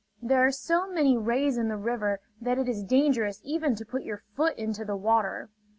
There are so many rays in the river that it is dangerous even to put your foot into the water.